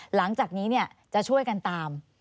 หลังจากนี้จะช่วยกันตาม